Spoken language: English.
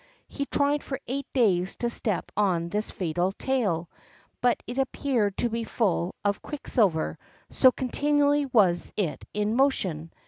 He tried for eight days to step on this fatal tail, but it appeared to be full of quicksilver, so continually was it in motion.